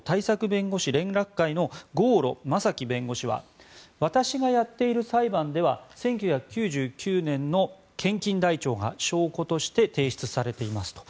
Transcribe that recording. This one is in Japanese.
弁護士連絡会の郷路征記弁護士は私がやっている裁判では１９９９年の献金台帳が証拠として提出されていますと。